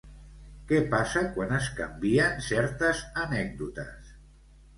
Què passa quan es canvien certes anècdotes?